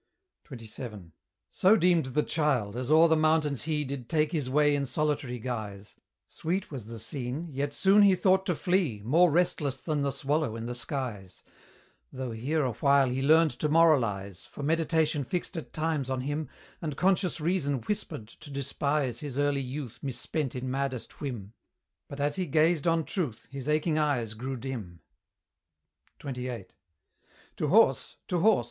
XXVII. So deemed the Childe, as o'er the mountains he Did take his way in solitary guise: Sweet was the scene, yet soon he thought to flee, More restless than the swallow in the skies: Though here awhile he learned to moralise, For Meditation fixed at times on him, And conscious Reason whispered to despise His early youth misspent in maddest whim; But as he gazed on Truth, his aching eyes grew dim. XXVIII. To horse! to horse!